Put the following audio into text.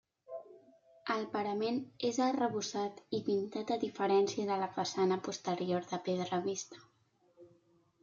El parament és arrebossat i pintat a diferència de la façana posterior de pedra vista.